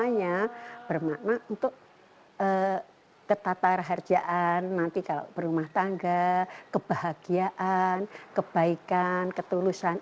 semuanya bermakna untuk ketatara harjaan nanti kalau berumah tangga kebahagiaan kebaikan ketulusan